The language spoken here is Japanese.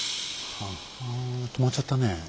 はぁ止まっちゃったねえ。